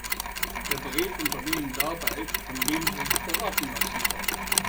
Er berät Unternehmen dabei, von wem sie sich beraten lassen sollen.